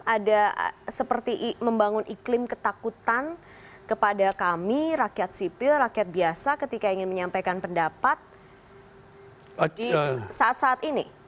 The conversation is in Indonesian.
ada seperti membangun iklim ketakutan kepada kami rakyat sipil rakyat biasa ketika ingin menyampaikan pendapat di saat saat ini